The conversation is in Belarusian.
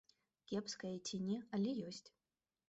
Кепская ці не, але ёсць.